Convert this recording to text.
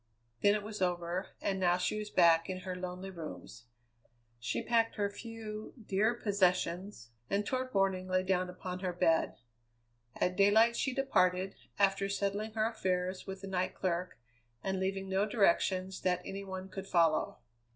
Then it was over, and now she was back in her lonely rooms. She packed her few, dear possessions, and toward morning lay down upon her bed. At daylight she departed, after settling her affairs with the night clerk and leaving no directions that any one could follow.